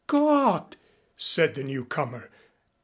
"Gawd!" said the newcomer.